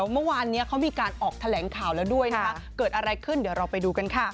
เมื่อวานนี้เขามีการออกแถลงข่าวแล้วด้วยนะคะเกิดอะไรขึ้นเดี๋ยวเราไปดูกันค่ะ